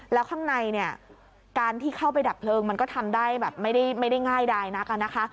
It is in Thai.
แล้วข้างในเนี่ยการที่เข้าไปดับเพลิงมันก็ทำได้แบบไม่ได้ง่ายดายนักอะนะคะ